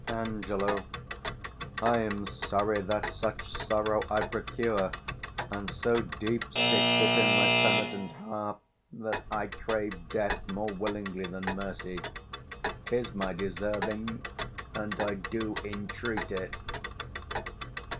Ang. I am sorry that such sorrow I procure: And so deep sticks it in my penitent heart, That I crave death more willingly than mercy; 'Tis my deserving, and I do entreat it.